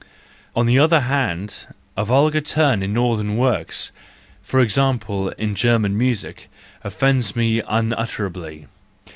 —On the other hand, a vulgar turn in northern works, for example in German music, offends me unutterably.